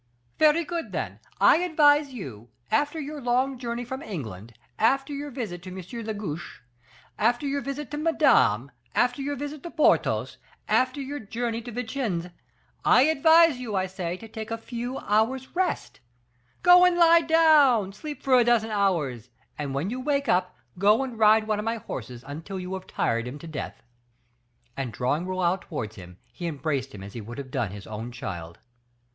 "Very good, then; I advise you, after your long journey from England, after your visit to M. de Guiche, after your visit to Madame, after your visit to Porthos, after your journey to Vincennes, I advise you, I say, to take a few hours' rest; go and lie down, sleep for a dozen hours, and when you wake up, go and ride one of my horses until you have tired him to death." And drawing Raoul towards him, he embraced him as he would have done his own child.